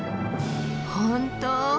本当。